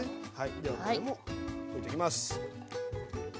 ではこれも置いてきます。